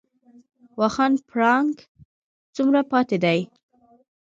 واخان پړانګ څومره پاتې دي؟